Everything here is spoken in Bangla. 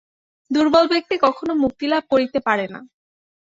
দুর্বল ব্যক্তি কখনও মুক্তিলাভ করিতে পারে না।